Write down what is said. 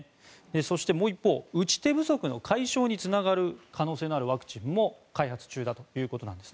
そして、もう一方打ち手不足の解消につながる可能性のあるワクチンも開発中だということなんです。